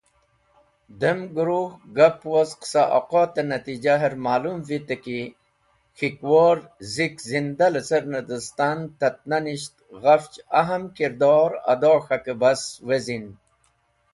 Dem guruh gap woz qasa oqote natijaher ma’lum witey ki k̃hikworzik zinda licerne distan tatnanisht ghafch ahm kirdor ado k̃hake bas wezin.